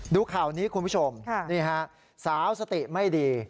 ดูข่าวนี้คุณผู้ชมนี่ฮะสาวสติไม่ดี